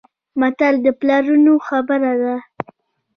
متل د پلرونو خبره ده.